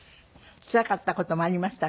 つらかった事もありましたか？